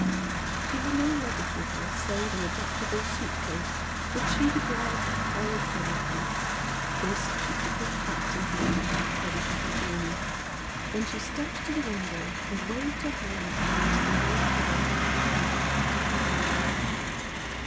She had no luggage with her, save an adaptable suitcase which, she declared "held everything." This she quickly packed and locked, ready for her journey. Then she stepped to the window and waved her hand towards the near hill and the "hut of the dying."